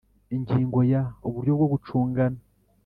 Ingingo ya uburyo bwo gucungana